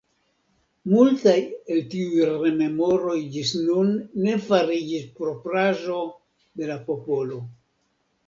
Multaj el tiuj rememoroj ĝis nun ne fariĝis propraĵo de la popolo.